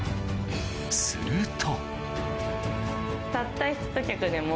すると。